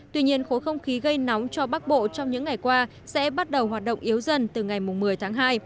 tuy nhiên khối không khí gây nóng cho bắc bộ trong những ngày qua sẽ bắt đầu hoạt động yếu dần từ ngày một mươi tháng hai